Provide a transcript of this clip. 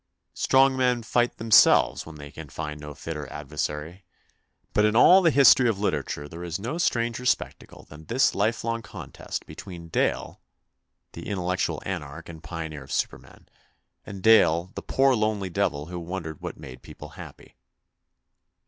Strong men fight themselves when they can find no fitter adversary ; but in all the history of literature there is no stranger spectacle than this lifelong contest between Dale, the intel lectual anarch and pioneer of supermen, and Dale, the poor lonely devil who wondered what made people happy.